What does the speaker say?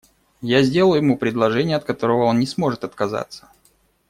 Я сделаю ему предложение, от которого он не сможет отказаться.